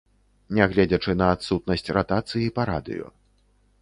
Нягледзячы на адсутнасць ратацыі па радыё.